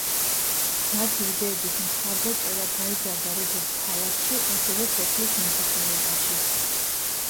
მათი იდეების მხარდაჭერა გაიზარდა, როგორც ქალაქში ასევე სოფლის მოსახლეობაშიც.